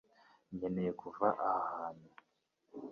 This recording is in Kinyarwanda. Nkeneye kuva aha hantu